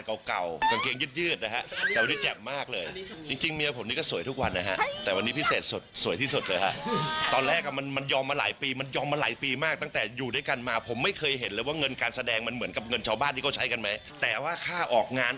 แล้วเงินที่ได้เมียเก็บไปทั้งหมดจริงไหมไปฟังกันเลยค่ะ